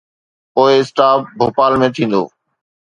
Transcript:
پوءِ اسٽاپ ڀوپال ۾ ٿيندو.